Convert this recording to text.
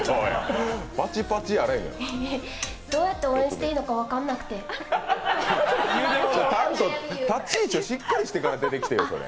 どうやって応援していいのか分からなくて立ち位置をしっかりしてから出てきてよ！